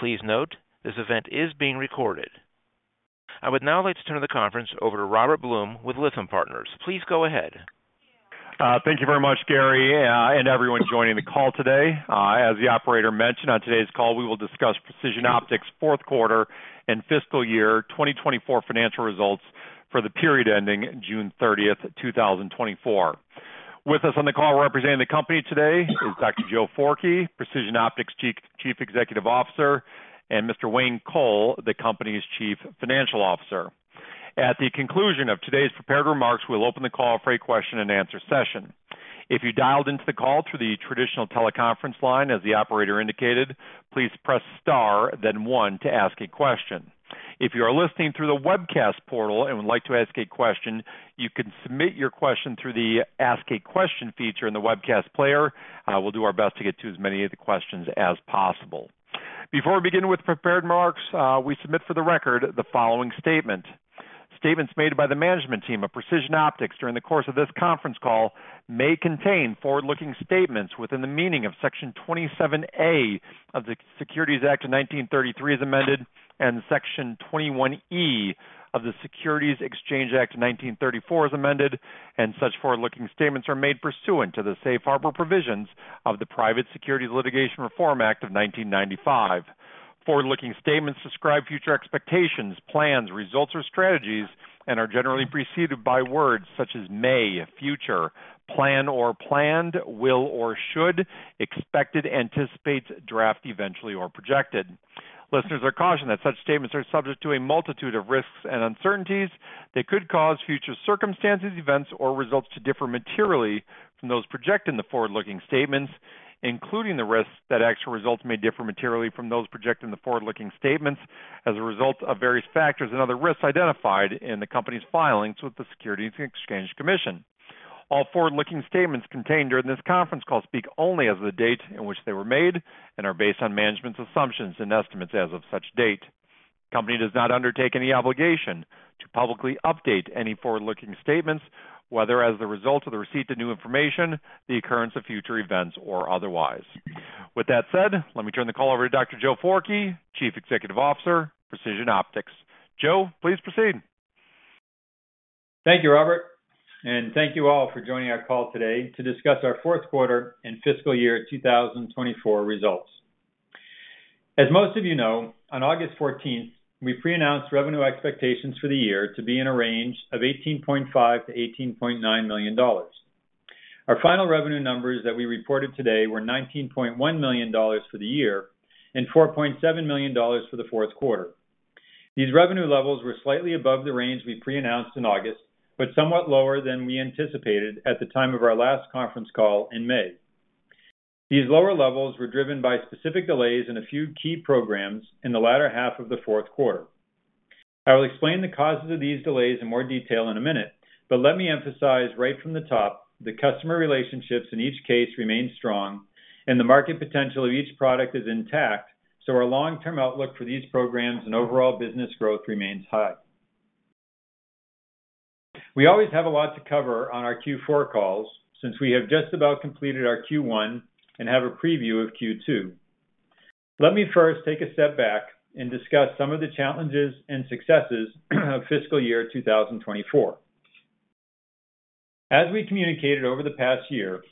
Please note, this event is being recorded. I would now like to turn the conference over to Robert Blum with Lytham Partners. Please go ahead. Thank you very much, Gary, and everyone joining the call today. As the operator mentioned, on today's call, we will discuss Precision Optics' Fourth Quarter and Fiscal Year 2024 Financial Results for the Period Ending June 30th, 2024. With us on the call representing the company today is Dr. Joe Forkey, Precision Optics' Chief Executive Officer, and Mr. Wayne Coll, the company's Chief Financial Officer. At the conclusion of today's prepared remarks, we'll open the call for a question-and-answer session. If you dialed into the call through the traditional teleconference line, as the operator indicated, please press star, then one to ask a question. If you are listening through the webcast portal and would like to ask a question, you can submit your question through the Ask a Question feature in the webcast player. We'll do our best to get to as many of the questions as possible. Before we begin with prepared remarks, we submit for the record the following statement. Statements made by the management team of Precision Optics during the course of this conference call may contain forward-looking statements within the meaning of Section 27A of the Securities Act of 1933, as amended, and Section 21E of the Securities Exchange Act of 1934, as amended, and such forward-looking statements are made pursuant to the Safe Harbor Provisions of the Private Securities Litigation Reform Act of 1995. Forward-looking statements describe future expectations, plans, results, or strategies and are generally preceded by words such as may, future, plan or planned, will or should, expected, anticipates, draft, eventually, or projected. Listeners are cautioned that such statements are subject to a multitude of risks and uncertainties that could cause future circumstances, events, or results to differ materially from those projected in the forward-looking statements, including the risks that actual results may differ materially from those projected in the forward-looking statements as a result of various factors and other risks identified in the company's filings with the Securities and Exchange Commission. All forward-looking statements contained during this conference call speak only as of the date in which they were made and are based on management's assumptions and estimates as of such date. The company does not undertake any obligation to publicly update any forward-looking statements, whether as a result of the receipt of new information, the occurrence of future events, or otherwise. With that said, let me turn the call over to Dr. Joe Forkey, Chief Executive Officer, Precision Optics. Joe, please proceed. Thank you, Robert, and thank you all for joining our call today to discuss our Fourth Quarter and Fiscal Year 2024 Results. As most of you know, on August 14th, we pre-announced revenue expectations for the year to be in a range of $18.5-$18.9 million. Our final revenue numbers that we reported today were $19.1 million for the year and $4.7 million for the fourth quarter. These revenue levels were slightly above the range we pre-announced in August, but somewhat lower than we anticipated at the time of our last conference call in May. These lower levels were driven by specific delays in a few key programs in the latter half of the fourth quarter. I will explain the causes of these delays in more detail in a minute, but let me emphasize right from the top, the customer relationships in each case remain strong, and the market potential of each product is intact, so our long-term outlook for these programs and overall business growth remains high. We always have a lot to cover on our Q4 calls, since we have just about completed our Q1 and have a preview of Q2. Let me first take a step back and discuss some of the challenges and successes of fiscal year 2024. As we communicated over the past year,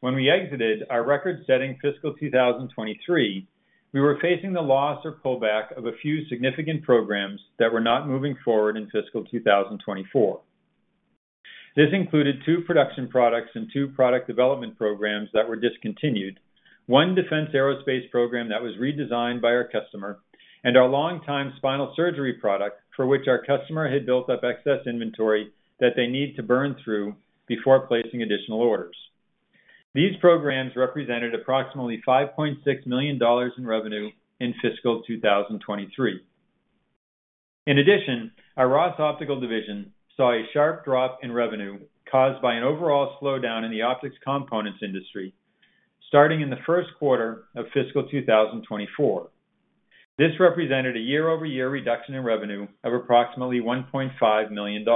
when we exited our record-setting fiscal 2023, we were facing the loss or pullback of a few significant programs that were not moving forward in fiscal 2024. This included two production products and two product development programs that were discontinued, one defense aerospace program that was redesigned by our customer, and our longtime spinal surgery product, for which our customer had built up excess inventory that they need to burn through before placing additional orders. These programs represented approximately $5.6 million in revenue in fiscal 2023. In addition, our Ross Optical division saw a sharp drop in revenue caused by an overall slowdown in the optics components industry, starting in the first quarter of fiscal 2024. This represented a year-over-year reduction in revenue of approximately $1.5 million.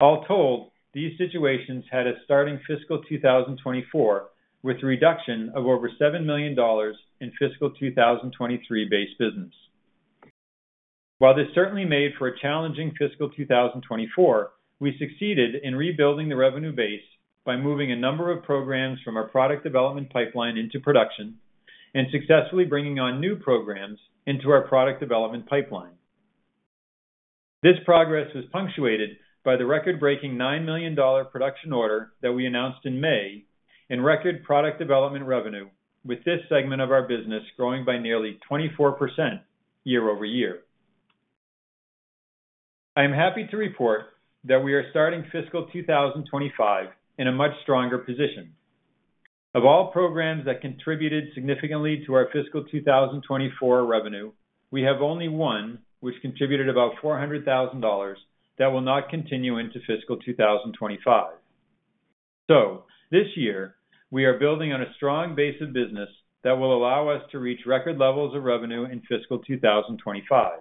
All told, these situations had a starting fiscal 2024, with a reduction of over $7 million in fiscal 2023 base business. While this certainly made for a challenging fiscal 2024, we succeeded in rebuilding the revenue base by moving a number of programs from our product development pipeline into production and successfully bringing on new programs into our product development pipeline. This progress was punctuated by the record-breaking $9 million production order that we announced in May, and record product development revenue, with this segment of our business growing by nearly 24% year-over-year. I am happy to report that we are starting fiscal 2025 in a much stronger position. Of all programs that contributed significantly to our fiscal 2024 revenue, we have only one, which contributed about $400,000, that will not continue into fiscal 2025. This year, we are building on a strong base of business that will allow us to reach record levels of revenue in fiscal 2025.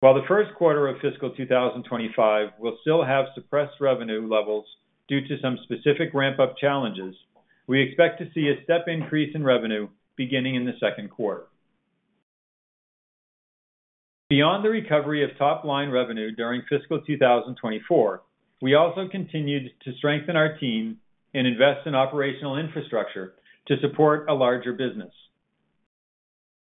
While the first quarter of fiscal 2025 will still have suppressed revenue levels due to some specific ramp-up challenges, we expect to see a step increase in revenue beginning in the second quarter. Beyond the recovery of top-line revenue during fiscal 2024, we also continued to strengthen our team and invest in operational infrastructure to support a larger business.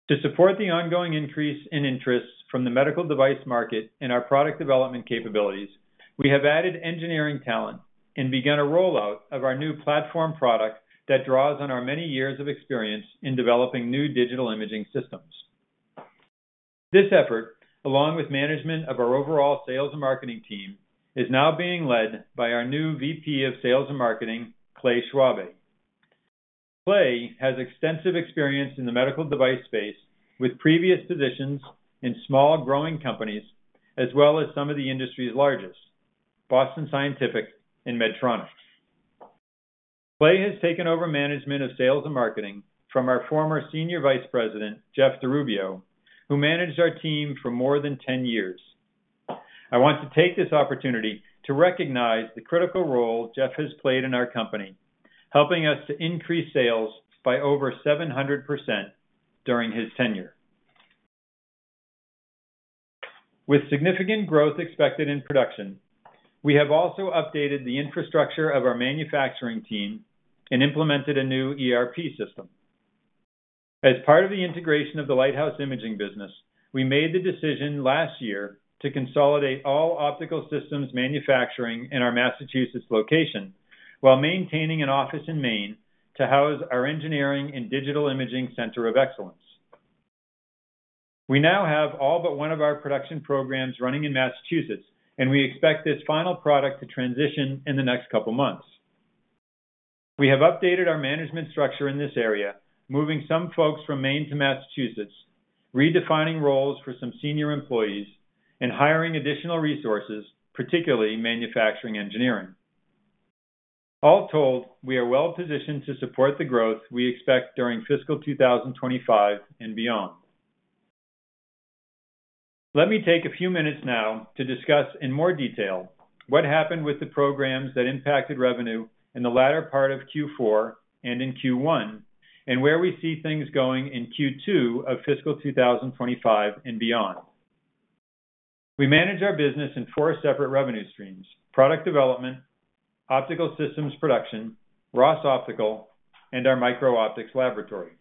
To support the ongoing increase in interest from the medical device market and our product development capabilities, we have added engineering talent and begun a rollout of our new platform product that draws on our many years of experience in developing new digital imaging systems. This effort, along with management of our overall sales and marketing team, is now being led by our new VP of Sales and Marketing, Clay Schwabe. Clay has extensive experience in the medical device space, with previous positions in small, growing companies, as well as some of the industry's largest, Boston Scientific and Medtronic. Clay has taken over management of sales and marketing from our former Senior Vice President, Jeff DiRubio, who managed our team for more than 10 years. I want to take this opportunity to recognize the critical role Jeff has played in our company, helping us to increase sales by over 700% during his tenure. With significant growth expected in production, we have also updated the infrastructure of our manufacturing team and implemented a new ERP system. As part of the integration of the Lighthouse Imaging business, we made the decision last year to consolidate all optical systems manufacturing in our Massachusetts location, while maintaining an office in Maine to house our engineering and digital imaging center of excellence. We now have all but one of our production programs running in Massachusetts, and we expect this final product to transition in the next couple of months. We have updated our management structure in this area, moving some folks from Maine to Massachusetts, redefining roles for some senior employees, and hiring additional resources, particularly in Manufacturing Engineering. All told, we are well-positioned to support the growth we expect during fiscal 2025 and beyond. Let me take a few minutes now to discuss in more detail what happened with the programs that impacted revenue in the latter part of Q4 and in Q1, and where we see things going in Q2 of fiscal 2025 and beyond. We manage our business in four separate revenue streams: product development, optical systems production, Ross Optical, and our Micro Optics Laboratory.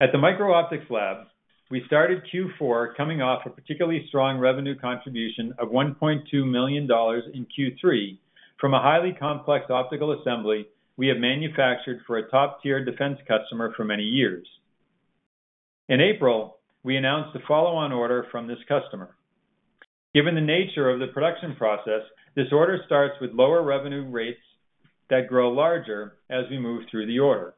At the Micro Optics Lab, we started Q4 coming off a particularly strong revenue contribution of $1.2 million in Q3 from a highly complex optical assembly we have manufactured for a top-tier defense customer for many years. In April, we announced the follow-on order from this customer. Given the nature of the production process, this order starts with lower revenue rates that grow larger as we move through the order.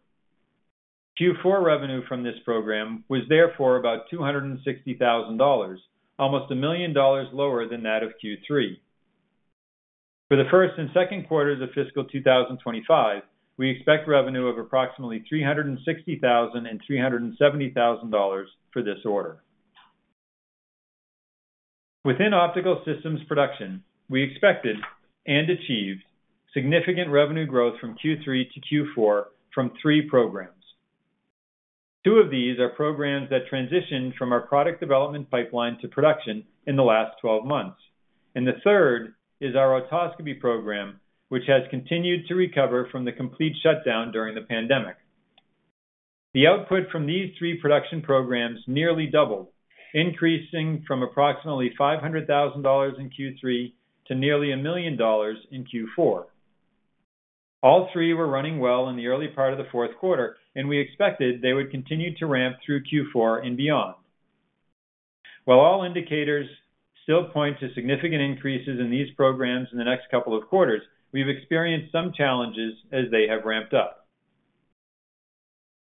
Q4 revenue from this program was therefore about $260,000, almost $1 million lower than that of Q3. For the first and second quarters of fiscal 2025, we expect revenue of approximately $360,000 and $370,000 for this order. Within optical systems production, we expected and achieved significant revenue growth from Q3 to Q4 from three programs. Two of these are programs that transitioned from our product development pipeline to production in the last twelve months, and the third is our otoscopy program, which has continued to recover from the complete shutdown during the pandemic. The output from these three production programs nearly doubled, increasing from approximately $500,000 in Q3 to nearly $1 million in Q4. All three were running well in the early part of the fourth quarter, and we expected they would continue to ramp through Q4 and beyond. While all indicators still point to significant increases in these programs in the next couple of quarters, we've experienced some challenges as they have ramped up.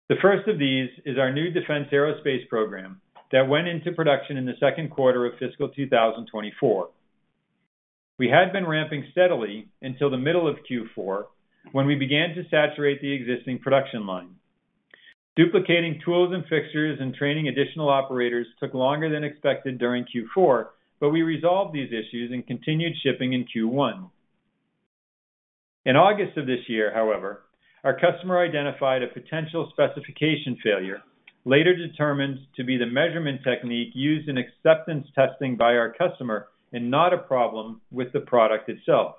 The first of these is our new Defense Aerospace program that went into production in the second quarter of fiscal 2024. We had been ramping steadily until the middle of Q4, when we began to saturate the existing production line. Duplicating tools and fixtures and training additional operators took longer than expected during Q4, but we resolved these issues and continued shipping in Q1. In August of this year, however, our customer identified a potential specification failure, later determined to be the measurement technique used in acceptance testing by our customer and not a problem with the product itself.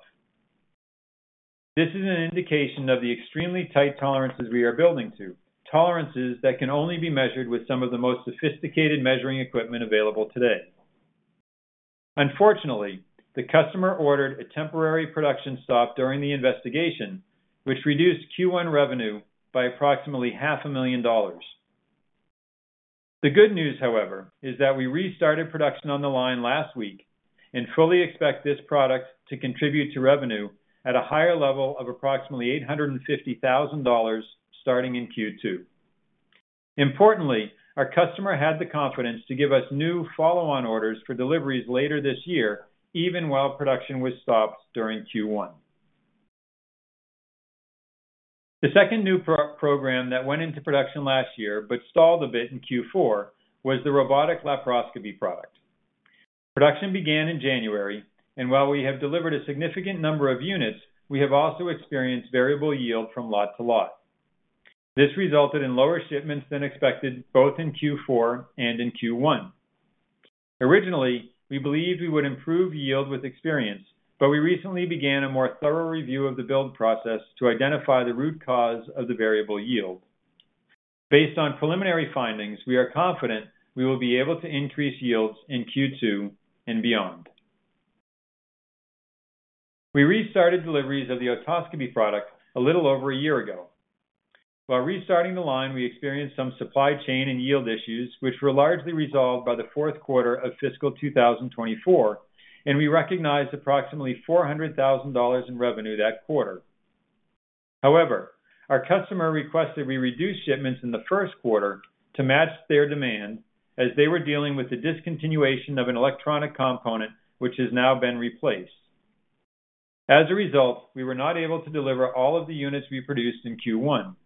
This is an indication of the extremely tight tolerances we are building to, tolerances that can only be measured with some of the most sophisticated measuring equipment available today. Unfortunately, the customer ordered a temporary production stop during the investigation, which reduced Q1 revenue by approximately $500,000. The good news, however, is that we restarted production on the line last week and fully expect this product to contribute to revenue at a higher level of approximately $850,000 starting in Q2. Importantly, our customer had the confidence to give us new follow-on orders for deliveries later this year, even while production was stopped during Q1. The second new program that went into production last year, but stalled a bit in Q4, was the robotic laparoscopy product. Production began in January, and while we have delivered a significant number of units, we have also experienced variable yield from lot to lot. This resulted in lower shipments than expected, both in Q4 and in Q1. Originally, we believed we would improve yield with experience, but we recently began a more thorough review of the build process to identify the root cause of the variable yield. Based on preliminary findings, we are confident we will be able to increase yields in Q2 and beyond. We restarted deliveries of the otoscopy product a little over a year ago. While restarting the line, we experienced some supply chain and yield issues, which were largely resolved by the fourth quarter of fiscal 2024, and we recognized approximately $400,000 in revenue that quarter. However, our customer requested we reduce shipments in the first quarter to match their demand, as they were dealing with the discontinuation of an electronic component, which has now been replaced. As a result, we were not able to deliver all of the units we produced in Q1.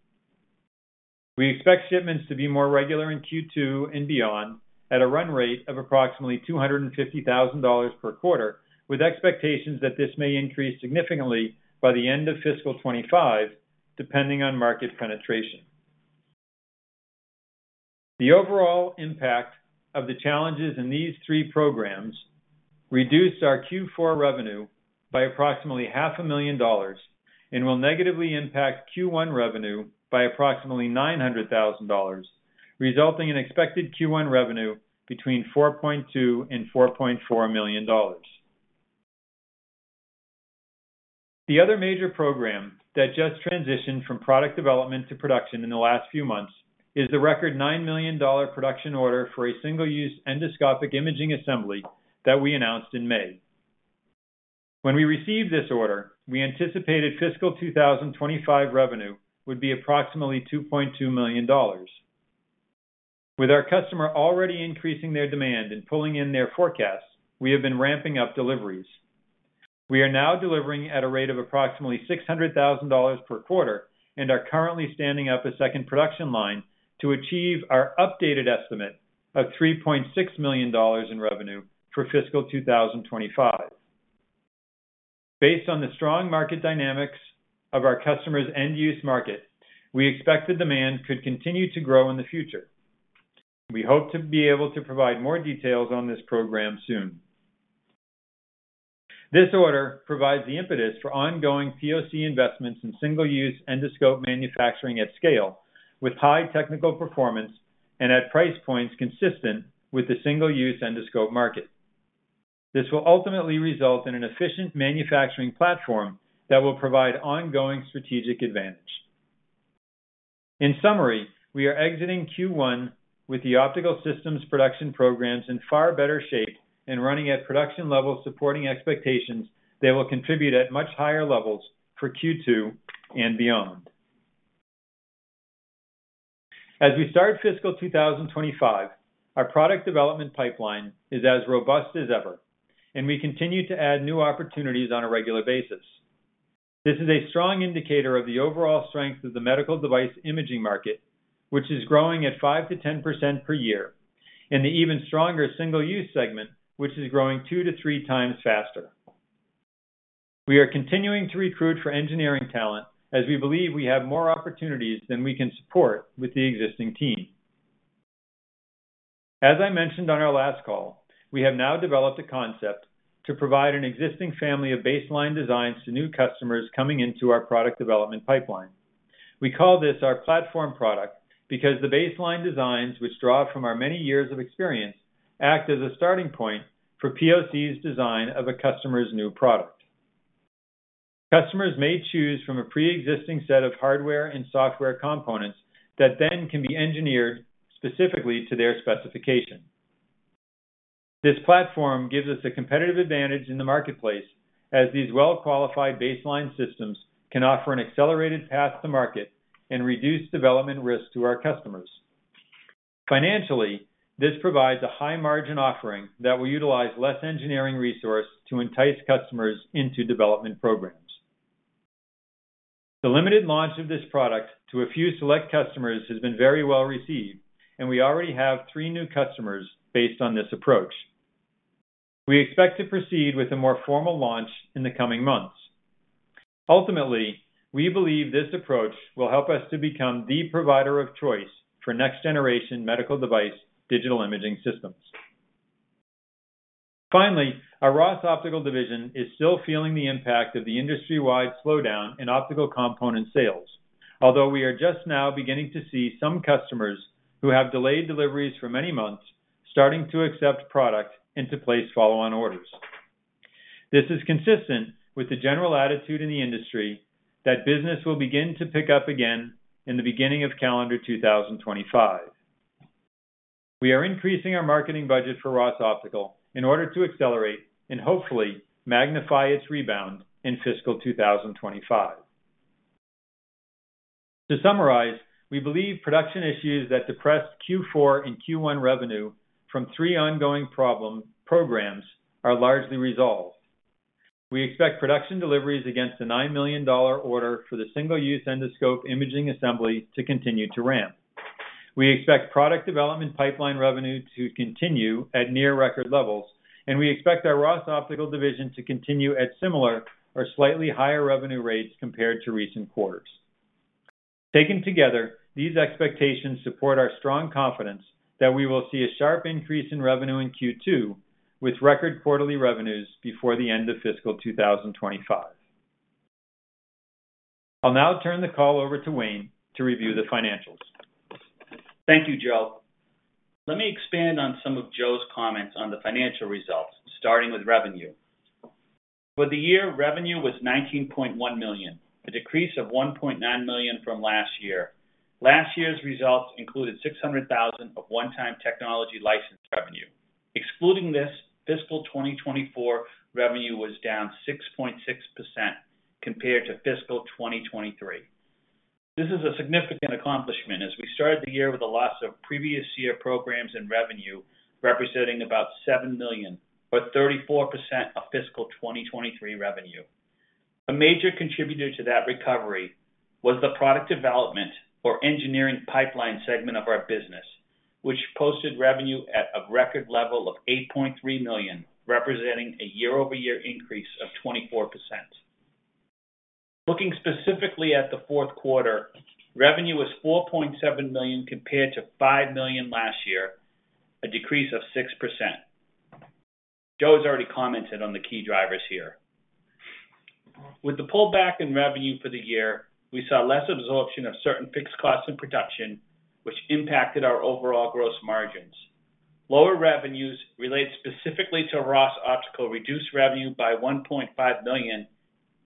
We expect shipments to be more regular in Q2 and beyond at a run rate of approximately $250,000 per quarter, with expectations that this may increase significantly by the end of fiscal 2025, depending on market penetration. The overall impact of the challenges in these three programs reduced our Q4 revenue by approximately $500,000 and will negatively impact Q1 revenue by approximately $900,000, resulting in expected Q1 revenue between $4.2 million and $4.4 million. The other major program that just transitioned from product development to production in the last few months is the record $9 million production order for a single-use endoscopic imaging assembly that we announced in May. When we received this order, we anticipated fiscal 2025 revenue would be approximately $2.2 million. With our customer already increasing their demand and pulling in their forecasts, we have been ramping up deliveries. We are now delivering at a rate of approximately $600,000 per quarter and are currently standing up a second production line to achieve our updated estimate of $3.6 million in revenue for fiscal 2025. Based on the strong market dynamics of our customer's end-use market, we expect the demand could continue to grow in the future. We hope to be able to provide more details on this program soon. This order provides the impetus for ongoing POC investments in single-use endoscope manufacturing at scale, with high technical performance and at price points consistent with the single-use endoscope market. This will ultimately result in an efficient manufacturing platform that will provide ongoing strategic advantage. In summary, we are exiting Q1 with the optical systems production programs in far better shape and running at production levels, supporting expectations that will contribute at much higher levels for Q2 and beyond. As we start fiscal 2025 our product development pipeline is as robust as ever, and we continue to add new opportunities on a regular basis. This is a strong indicator of the overall strength of the medical device imaging market, which is growing at 5-10% per year, and the even stronger single-use segment, which is growing two to three times faster. We are continuing to recruit for engineering talent as we believe we have more opportunities than we can support with the existing team. As I mentioned on our last call, we have now developed a concept to provide an existing family of baseline designs to new customers coming into our product development pipeline. We call this our platform product, because the baseline designs, which draw from our many years of experience, act as a starting point for POC's design of a customer's new product. Customers may choose from a pre-existing set of hardware and software components that then can be engineered specifically to their specification. This platform gives us a competitive advantage in the marketplace, as these well-qualified baseline systems can offer an accelerated path to market and reduce development risk to our customers. Financially, this provides a high margin offering that will utilize less engineering resource to entice customers into development programs. The limited launch of this product to a few select customers has been very well received, and we already have three new customers based on this approach. We expect to proceed with a more formal launch in the coming months. Ultimately, we believe this approach will help us to become the provider of choice for next generation medical device digital imaging systems. Finally, our Ross Optical division is still feeling the impact of the industry-wide slowdown in optical component sales. Although we are just now beginning to see some customers who have delayed deliveries for many months starting to accept product into place, follow-on orders. This is consistent with the general attitude in the industry that business will begin to pick up again in the beginning of calendar 2025. We are increasing our marketing budget for Ross Optical in order to accelerate and hopefully magnify its rebound in fiscal 2025. To summarize, we believe production issues that depressed Q4 and Q1 revenue from three ongoing problem programs are largely resolved. We expect production deliveries against the $9 million order for the single-use endoscope imaging assembly to continue to ramp. We expect product development pipeline revenue to continue at near record levels, and we expect our Ross Optical division to continue at similar or slightly higher revenue rates compared to recent quarters. Taken together, these expectations support our strong confidence that we will see a sharp increase in revenue in Q2, with record quarterly revenues before the end of fiscal 2025. I'll now turn the call over to Wayne to review the financials. Thank you, Joe. Let me expand on some of Joe's comments on the financial results, starting with revenue. For the year, revenue was $19.1 million, a decrease of $1.9 million from last year. Last year's results included $600,000 of one-time technology license revenue. Excluding this, fiscal 2024 revenue was down 6.6% compared to fiscal 2023. This is a significant accomplishment as we started the year with a loss of previous year programs and revenue, representing about $7 million, or 34% of fiscal 2023 revenue. A major contributor to that recovery was the product development or engineering pipeline segment of our business, which posted revenue at a record level of $8.3 million, representing a year-over-year increase of 24%. Looking specifically at the fourth quarter, revenue was $4.7 million compared to $5 million last year, a decrease of 6%. Joe has already commented on the key drivers here. With the pullback in revenue for the year, we saw less absorption of certain fixed costs in production, which impacted our overall gross margins. Lower revenues related specifically to Ross Optical, reduced revenue by $1.5 million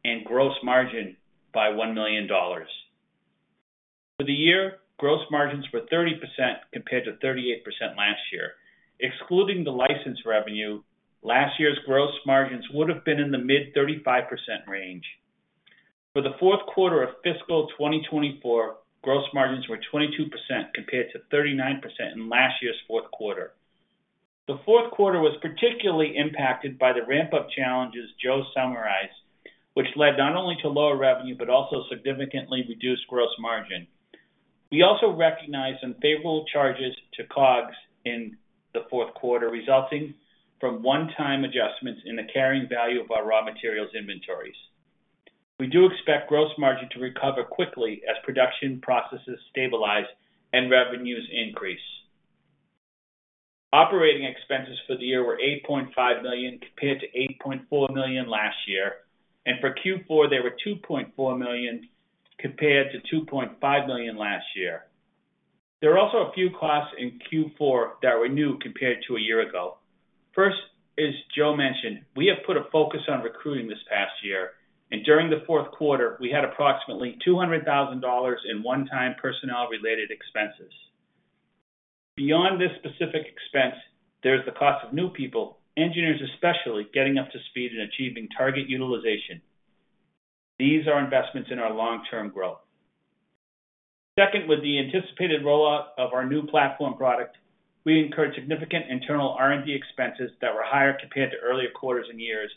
and gross margin by $1 million. For the year, gross margins were 30% compared to 38% last year. Excluding the license revenue, last year's gross margins would have been in the mid-35% range. For the fourth quarter of fiscal 2024, gross margins were 22% compared to 39% in last year's fourth quarter. The fourth quarter was particularly impacted by the ramp-up challenges Joe summarized, which led not only to lower revenue, but also significantly reduced gross margin. We also recognized unfavorable charges to COGS in the fourth quarter, resulting from one-time adjustments in the carrying value of our raw materials inventories. We do expect gross margin to recover quickly as production processes stabilize and revenues increase. Operating expenses for the year were $8.5 million, compared to $8.4 million last year, and for Q4, they were $2.4 million, compared to $2.5 million last year. There are also a few costs in Q4 that were new compared to a year ago. First, as Joe mentioned, we have put a focus on recruiting this past year, and during the fourth quarter, we had approximately $200,000 in one-time personnel-related expenses. Beyond this specific expense, there's the cost of new people, engineers especially, getting up to speed and achieving target utilization. These are investments in our long-term growth. Second, with the anticipated rollout of our new platform product, we incurred significant internal R&D expenses that were higher compared to earlier quarters and years,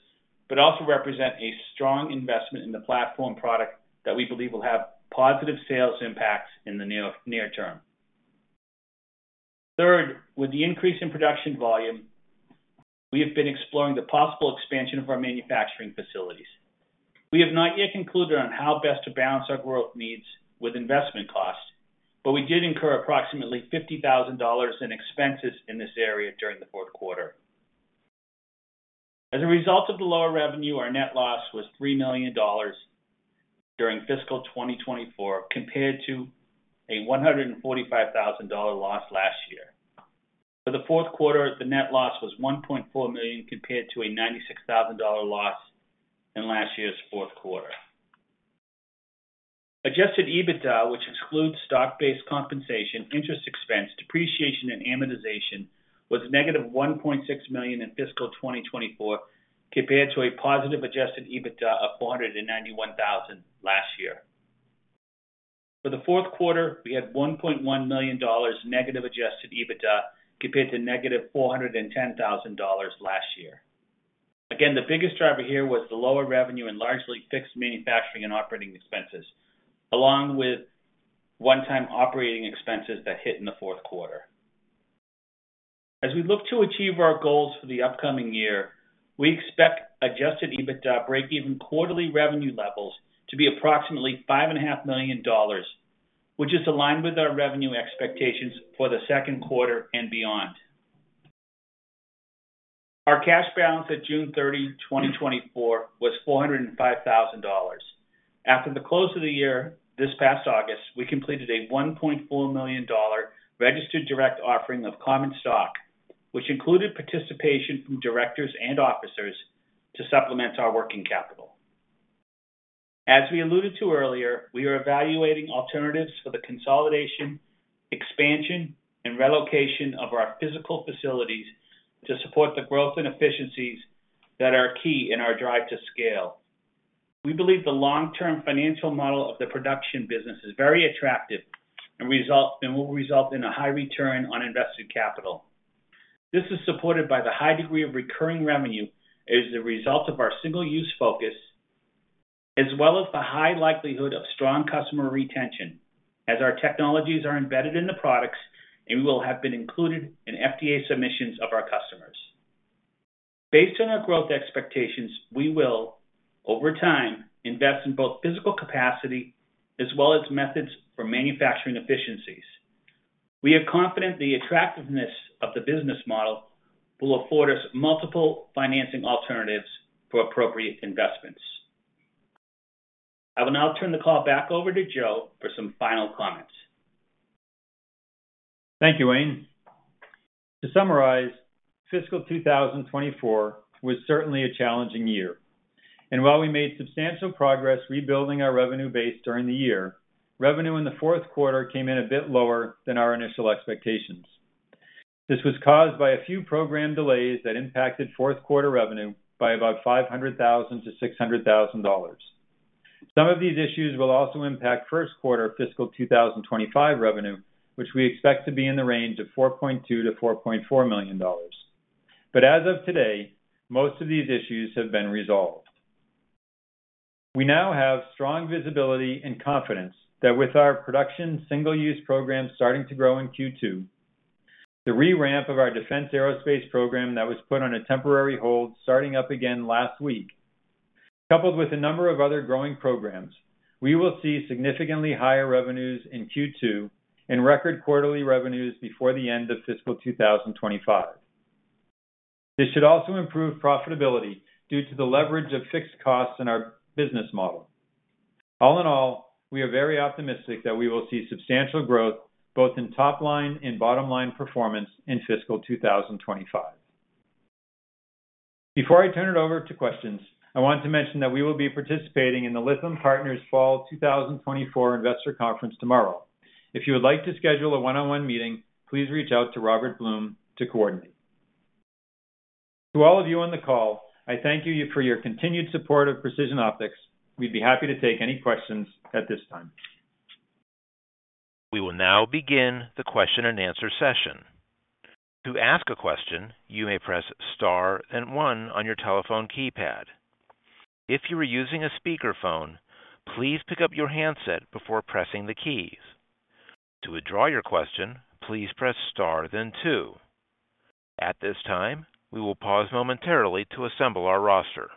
but also represent a strong investment in the platform product that we believe will have positive sales impacts in the near term. Third, with the increase in production volume, we have been exploring the possible expansion of our manufacturing facilities. We have not yet concluded on how best to balance our growth needs with investment costs, but we did incur approximately $50,000 in expenses in this area during the fourth quarter. As a result of the lower revenue, our net loss was $3 million during fiscal 2024, compared to a $145,000 loss last year. For the fourth quarter, the net loss was $1.4 million, compared to a $96,000 loss in last year's fourth quarter. Adjusted EBITDA, which excludes stock-based compensation, interest expense, depreciation, and amortization, was negative $1.6 million in fiscal 2024, compared to a positive adjusted EBITDA of $491,000 last year. For the fourth quarter, we had negative $1.1 million adjusted EBITDA, compared to negative $410,000 last year. Again, the biggest driver here was the lower revenue and largely fixed manufacturing and operating expenses, along with one-time operating expenses that hit in the fourth quarter. As we look to achieve our goals for the upcoming year, we expect Adjusted EBITDA breakeven quarterly revenue levels to be approximately $5.5 million, which is aligned with our revenue expectations for the second quarter and beyond. Our cash balance at June 30, 2024, was $405,000. After the close of the year, this past August, we completed a $1.4 million registered direct offering of common stock, which included participation from directors and officers to supplement our working capital. As we alluded to earlier, we are evaluating alternatives for the consolidation, expansion, and relocation of our physical facilities to support the growth and efficiencies that are key in our drive to scale. We believe the long-term financial model of the production business is very attractive, and will result in a high return on invested capital. This is supported by the high degree of recurring revenue as a result of our single-use focus, as well as the high likelihood of strong customer retention, as our technologies are embedded in the products and will have been included in FDA submissions of our customers. Based on our growth expectations, we will, over time, invest in both physical capacity as well as methods for manufacturing efficiencies. We are confident the attractiveness of the business model will afford us multiple financing alternatives for appropriate investments. I will now turn the call back over to Joe for some final comments. Thank you, Wayne. To summarize, fiscal 2024 was certainly a challenging year, and while we made substantial progress rebuilding our revenue base during the year, revenue in the fourth quarter came in a bit lower than our initial expectations. This was caused by a few program delays that impacted fourth quarter revenue by about $500,000-$600,000. Some of these issues will also impact first quarter fiscal 2025 revenue, which we expect to be in the range of $4.2 million-$4.4 million. But as of today, most of these issues have been resolved. We now have strong visibility and confidence that with our production single-use program starting to grow in Q2, the re-ramp of our Defense Aerospace program that was put on a temporary hold, starting up again last week, coupled with a number of other growing programs, we will see significantly higher revenues in Q2 and record quarterly revenues before the end of fiscal 2025. This should also improve profitability due to the leverage of fixed costs in our business model. All in all, we are very optimistic that we will see substantial growth, both in top line and bottom line performance in fiscal 2025. Before I turn it over to questions, I want to mention that we will be participating in the Lytham Partners Fall 2024 Investor Conference tomorrow. If you would like to schedule a one-on-one meeting, please reach out to Robert Blum to coordinate. To all of you on the call, I thank you for your continued support of Precision Optics. We'd be happy to take any questions at this time. We will now begin the question-and-answer session. To ask a question, you may press star and one on your telephone keypad. If you are using a speakerphone, please pick up your handset before pressing the keys. To withdraw your question, please press star then two. At this time, we will pause momentarily to assemble our roster.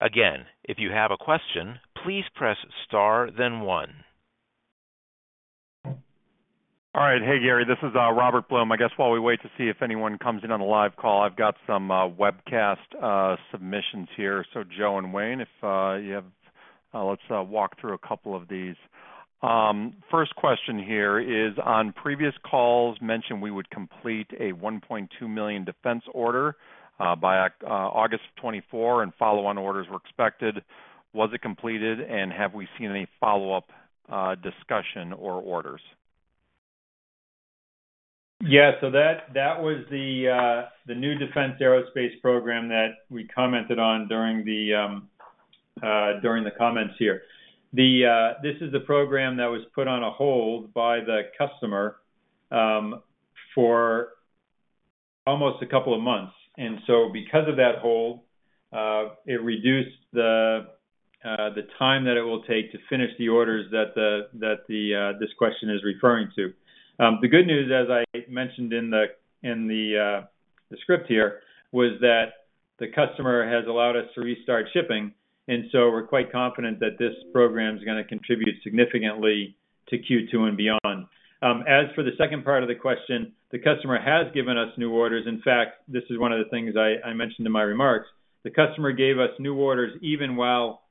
Again, if you have a question, please press star then one. All right. Hey, Gary, this is Robert Blum. I guess while we wait to see if anyone comes in on the live call, I've got some webcast submissions here. So Joe and Wayne, if you have, let's walk through a couple of these. First question here is: On previous calls, mentioned we would complete a $1.2 million Defense order by August of 2024, and follow-on orders were expected. Was it completed, and have we seen any follow-up discussion or orders? Yeah, so that was the new Defense Aerospace program that we commented on during the comments here. This is the program that was put on a hold by the customer for almost a couple of months, and so because of that hold, it reduced the time that it will take to finish the orders that this question is referring to. The good news, as I mentioned in the script here, was that the customer has allowed us to restart shipping, and so we're quite confident that this program is going to contribute significantly to Q2 and beyond. As for the second part of the question, the customer has given us new orders. In fact, this is one of the things I mentioned in my remarks. The customer gave us new orders even while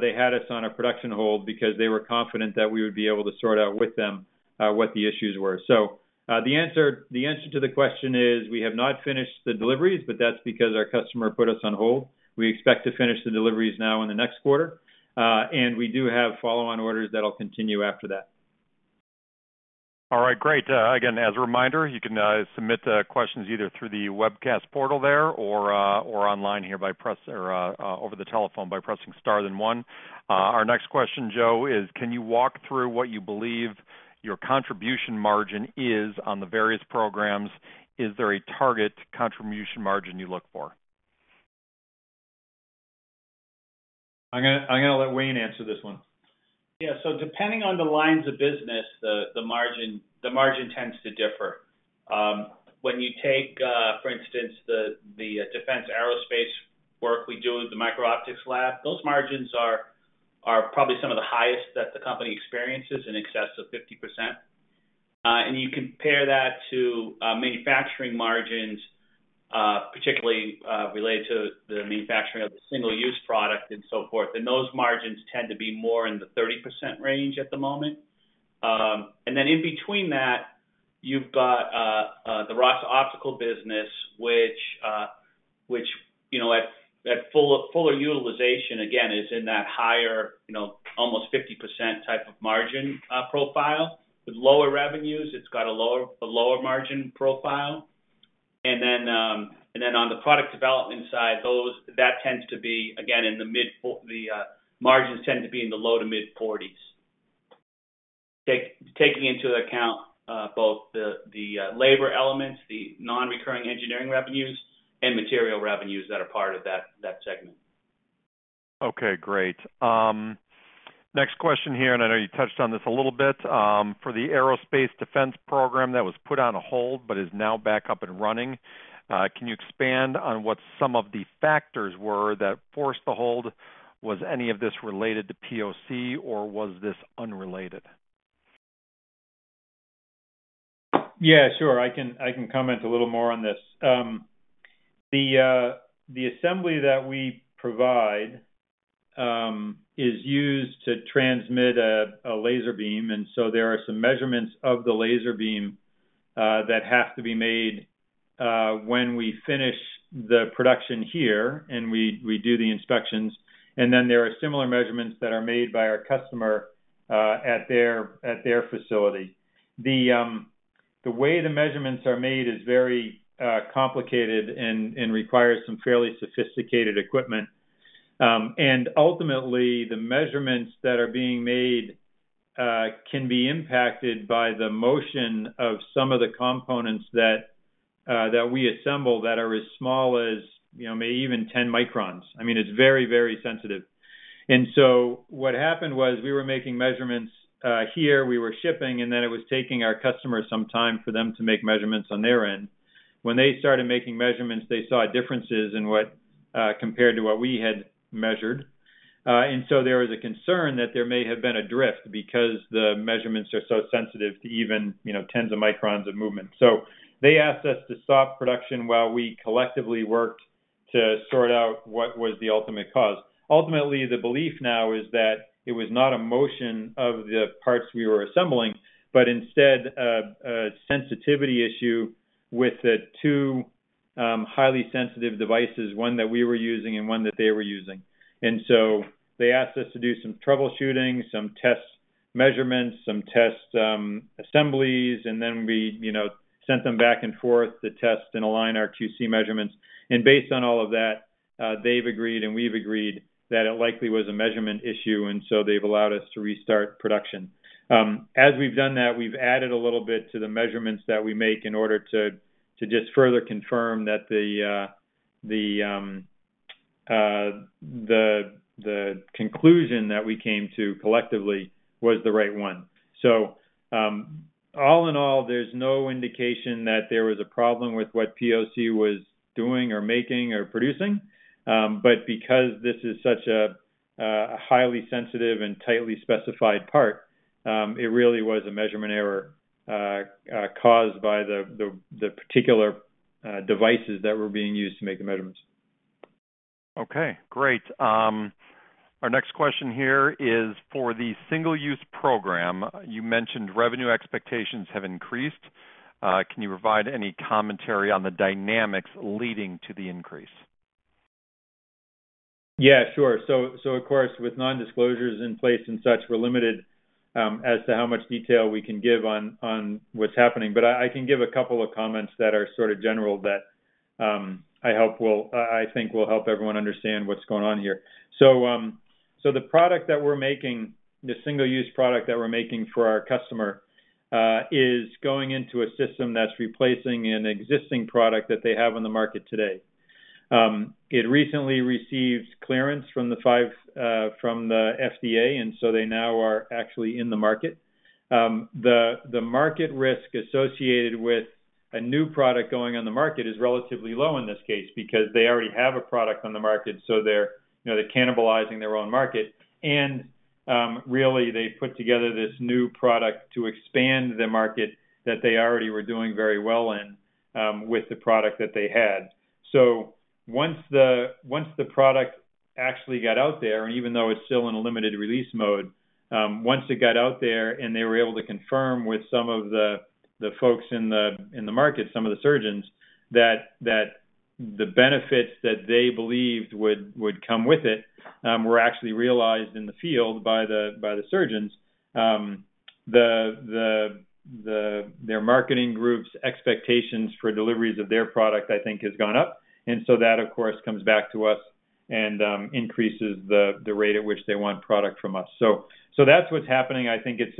they had us on a production hold, because they were confident that we would be able to sort out with them what the issues were. So, the answer, the answer to the question is: We have not finished the deliveries, but that's because our customer put us on hold. We expect to finish the deliveries now in the next quarter, and we do have follow-on orders that'll continue after that. All right, great. Again, as a reminder, you can submit questions either through the webcast portal there or online here by press or over the telephone by pressing star, then one. Our next question, Joe", is: Can you walk through what you believe your contribution margin is on the various programs? Is there a target contribution margin you look for?" I'm going to let Wayne answer this one. Yeah. So depending on the lines of business, the margin tends to differ. When you take, for instance, the Defense Aerospace work we do with the Micro Optics Lab, those margins are probably some of the highest that the company experiences, in excess of 50%. And you compare that to manufacturing margins, particularly related to the manufacturing of the single-use product and so forth, and those margins tend to be more in the 30% range at the moment. And then in between that, you've got the Ross Optical business, which, you know, that full utilization, again, is in that higher, you know, almost 50% type of margin profile. With lower revenues, it's got a lower margin profile. And then on the product development side, that tends to be, again, in the mid-forties. The margins tend to be in the low to mid-forties. Taking into account both the labor elements, the non-recurring engineering revenues, and material revenues that are part of that segment. Okay, great. Next question here, and I know you touched on this a little bit. For the aerospace defense program that was put on hold but is now back up and running, can you expand on what some of the factors were that forced the hold? Was any of this related to POC, or was this unrelated? Yeah, sure. I can comment a little more on this. The assembly that we provide is used to transmit a laser beam, and so there are some measurements of the laser beam that have to be made when we finish the production here, and we do the inspections, and then there are similar measurements that are made by our customer at their facility. The way the measurements are made is very complicated and requires some fairly sophisticated equipment. And ultimately, the measurements that are being made can be impacted by the motion of some of the components that we assemble that are as small as, you know, maybe even 10 microns. I mean, it's very, very sensitive. And so what happened was we were making measurements here, we were shipping, and then it was taking our customers some time for them to make measurements on their end. When they started making measurements, they saw differences in what compared to what we had measured, and so there was a concern that there may have been a drift because the measurements are so sensitive to even, you know, tens of microns of movement. So, they asked us to stop production while we collectively worked to sort out what was the ultimate cause. Ultimately, the belief now is that it was not a motion of the parts we were assembling, but instead a sensitivity issue with the two highly sensitive devices, one that we were using and one that they were using. And so they asked us to do some troubleshooting, some test measurements, some test assemblies, and then we, you know, sent them back and forth to test and align our QC measurements. And based on all of that, they've agreed, and we've agreed that it likely was a measurement issue, and so they've allowed us to restart production. As we've done that, we've added a little bit to the measurements that we make in order to just further confirm that the conclusion that we came to collectively was the right one. So all in all, there's no indication that there was a problem with what POC was doing or making or producing. But because this is such a highly sensitive and tightly specified part, it really was a measurement error caused by the particular devices that were being used to make the measurements. Okay, great. Our next question here is: "For the single-use program, you mentioned revenue expectations have increased. Can you provide any commentary on the dynamics leading to the increase?" Yeah, sure. So of course, with non-disclosures in place and such, we're limited as to how much detail we can give on what's happening. But I can give a couple of comments that are sort of general that I hope will... I think will help everyone understand what's going on here. So the product that we're making, the single-use product that we're making for our customer, is going into a system that's replacing an existing product that they have on the market today. It recently received clearance from the FDA, and so they now are actually in the market. The market risk associated with a new product going on the market is relatively low in this case because they already have a product on the market, so they're, you know, they're cannibalizing their own market. And really, they put together this new product to expand the market that they already were doing very well in with the product that they had. So once the product actually got out there, and even though it's still in a limited release mode, once it got out there, and they were able to confirm with some of the folks in the market, some of the surgeons, that the benefits that they believed would come with it were actually realized in the field by the surgeons. The... Their marketing group's expectations for deliveries of their product, I think, has gone up, and so that, of course, comes back to us and increases the rate at which they want product from us. So that's what's happening. I think it's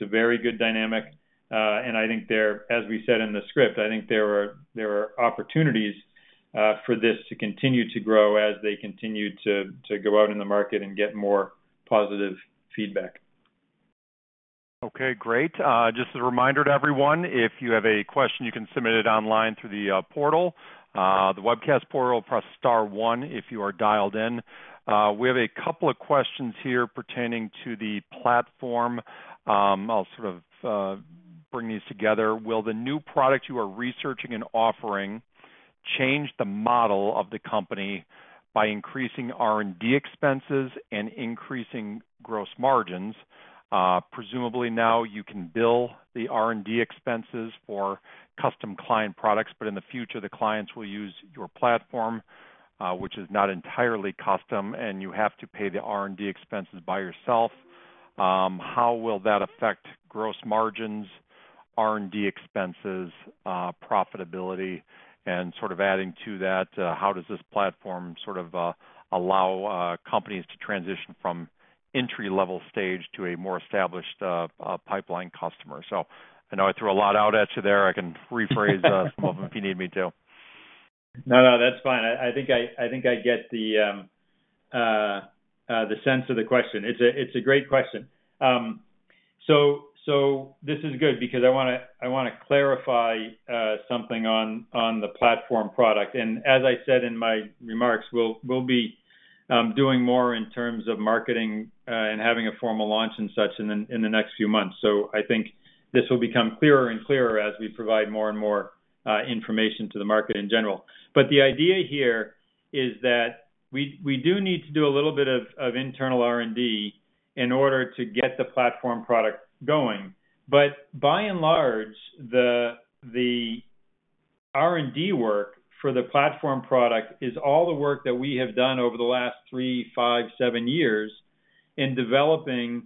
a very good dynamic, and I think there, as we said in the script, there are opportunities for this to continue to grow as they continue to go out in the market and get more positive feedback. Okay, great. Just a reminder to everyone, if you have a question, you can submit it online through the portal. The webcast portal, press star one if you are dialed in. We have a couple of questions here pertaining to the platform. I'll sort of bring these together. "Will the new product you are researching and offering change the model of the company by increasing R&D expenses and increasing gross margins? Presumably now you can bill the R&D expenses for custom client products, but in the future, the clients will use your platform, which is not entirely custom, and you have to pay the R&D expenses by yourself. How will that affect gross margins, R&D expenses, profitability?" Sort of adding to that, how does this platform sort of allow companies to transition from entry-level stage to a more established pipeline customer?" So I know I threw a lot out at you there. I can rephrase some of them if you need me to. No, no, that's fine. I think I get the sense of the question. It's a great question. So this is good because I want to clarify something on the platform product. And as I said in my remarks, we'll be doing more in terms of marketing and having a formal launch and such in the next few months. So I think this will become clearer and clearer as we provide more and more information to the market in general. But the idea here is that we do need to do a little bit of internal R&D in order to get the platform product going. But by and large, the R&D work for the platform product is all the work that we have done over the last three, five, seven years in developing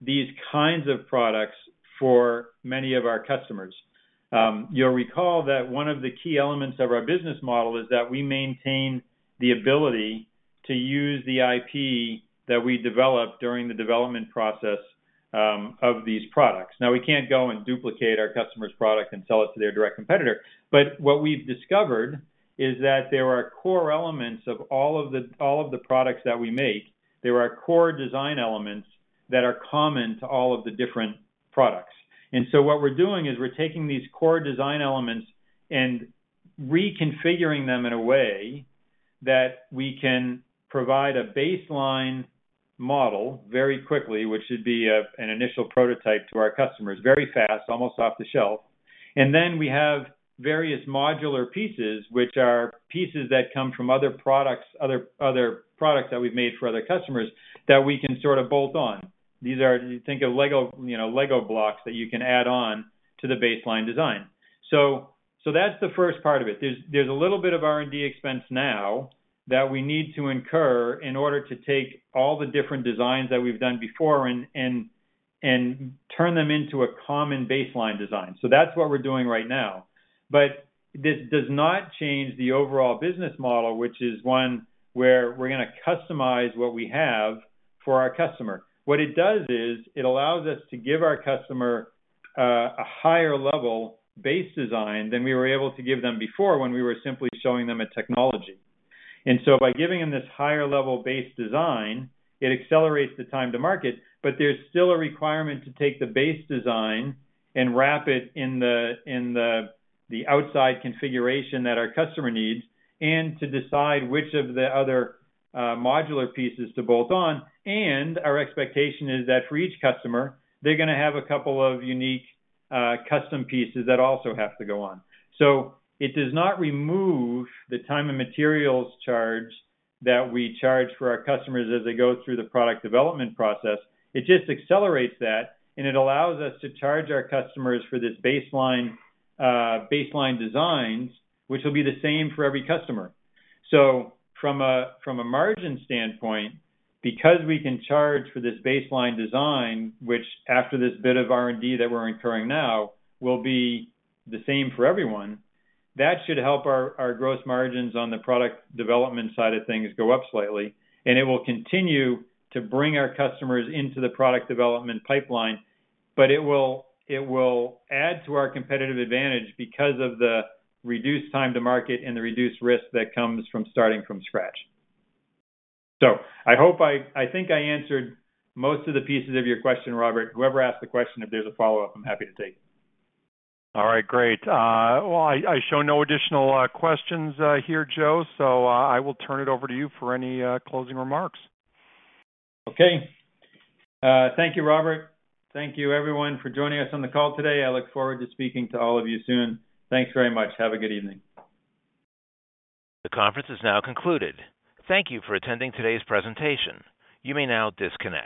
these kinds of products for many of our customers. You'll recall that one of the key elements of our business model is that we maintain the ability to use the IP that we develop during the development process of these products. Now, we can't go and duplicate our customer's product and sell it to their direct competitor, but what we've discovered is that there are core elements of all of the products that we make, there are core design elements that are common to all of the different products. And so what we're doing is we're taking these core design elements and reconfiguring them in a way that we can provide a baseline model very quickly, which would be a, an initial prototype to our customers, very fast, almost off the shelf. And then we have various modular pieces, which are pieces that come from other products that we've made for other customers, that we can sort of bolt on. These are. Think of Lego, you know, Lego blocks that you can add on to the baseline design. So that's the first part of it. There's a little bit of R&D expense now that we need to incur in order to take all the different designs that we've done before and turn them into a common baseline design. So that's what we're doing right now. But this does not change the overall business model, which is one where we're going to customize what we have for our customer. What it does is, it allows us to give our customer a higher level base design than we were able to give them before, when we were simply showing them a technology. And so by giving them this higher level base design, it accelerates the time to market, but there's still a requirement to take the base design and wrap it in the outside configuration that our customer needs, and to decide which of the other modular pieces to bolt on. And our expectation is that for each customer, they're going to have a couple of unique custom pieces that also have to go on. So it does not remove the time and materials charge that we charge for our customers as they go through the product development process. It just accelerates that, and it allows us to charge our customers for this baseline designs, which will be the same for every customer. So from a margin standpoint, because we can charge for this baseline design, which, after this bit of R&D that we're incurring now, will be the same for everyone, that should help our gross margins on the product development side of things go up slightly. And it will continue to bring our customers into the product development pipeline, but it will add to our competitive advantage because of the reduced time to market and the reduced risk that comes from starting from scratch. So, I hope I think I answered most of the pieces of your question, Robert. Whoever asked the question, if there's a follow-up, I'm happy to take it. All right, great. Well, I show no additional questions here, Joe, so I will turn it over to you for any closing remarks. Okay. Thank you, Robert. Thank you, everyone, for joining us on the call today. I look forward to speaking to all of you soon. Thanks very much. Have a good evening. The conference is now concluded. Thank you for attending today's presentation. You may now disconnect.